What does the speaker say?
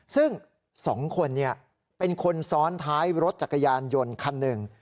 ซึ่ง๒คนเป็นคนซ้อนท้ายรถจักรยานยนต์คันหนึ่ง